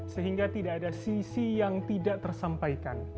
sehingga tidak ada sisi yang tidak tersampaikan